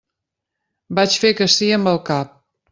Vaig fer que sí amb el cap.